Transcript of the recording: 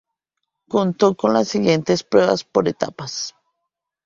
Contó con las siguientes pruebas por etapas.